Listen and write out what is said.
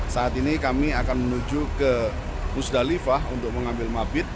saat ini kami akan menuju ke musdalifah untuk mengambil mabit